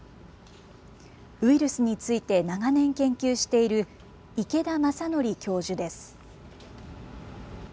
ウイルスについて長年研究している池田正徳教授です。